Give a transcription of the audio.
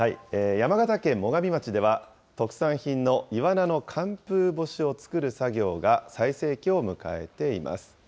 山形県最上町では、特産品のイワナの寒風干しを作る作業が、最盛期を迎えています。